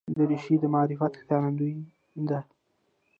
دریشي د معرفت ښکارندوی ده.